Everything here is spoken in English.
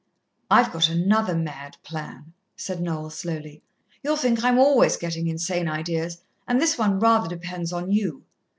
"I've got another mad plan," said Noel slowly. "You'll think I'm always getting insane ideas, and this one rather depends on you."